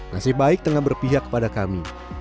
nasib baik tengah berpihak kepada kami